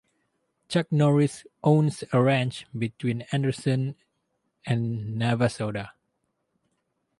Chuck Norris owns a ranch between Anderson and Navasota.